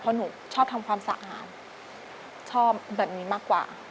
เพราะหนูชอบทำความสะอาดชอบแบบนี้มากกว่า